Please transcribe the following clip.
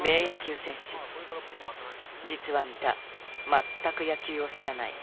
実は三田全く野球を知らない。